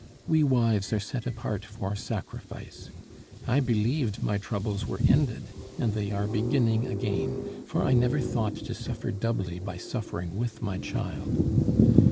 We wives are set apart for sacrifice. I believed my troubles were ended, and they are beginning again, for I never thought to suffer doubly by suffering with my child.